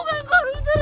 bokap gue bukan koruptor